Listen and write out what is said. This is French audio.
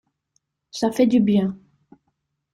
Ça fait du bien.